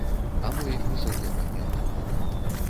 А мой высокі апанент?